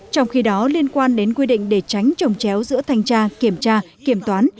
trong khi đó liên quan đến quy định để tránh trồng chéo giữa thanh tra kiểm tra kiểm toán